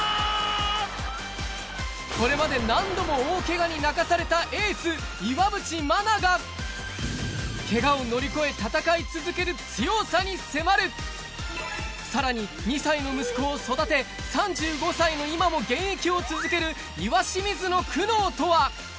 これまで何度も大ケガに泣かされたエースケガを乗り越え戦い続ける強さに迫るさらに２歳の息子を育て３５歳の今も現役を続ける岩清水の苦悩とは？